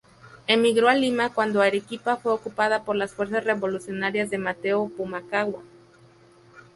Emigró a Lima cuando Arequipa fue ocupada por las fuerzas revolucionarias de Mateo Pumacahua.